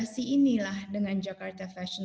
maksudnya ini kita mengingatkan khususannya